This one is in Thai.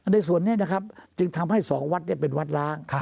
ในส่วนนี้นะครับจึงทำให้๒วัดเป็นวัดล้าง